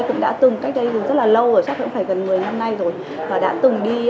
toàn thân nói chung